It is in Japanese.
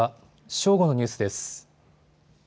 正午のニュースです。